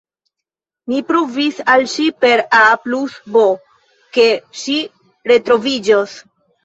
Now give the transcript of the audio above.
Mi pruvis al ŝi per A plus B, ke ŝi retroviĝos.